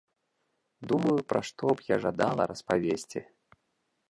Думаю, пра што б я жадала распавесці.